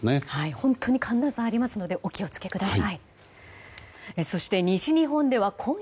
本当に寒暖差がありますのでお気を付けください。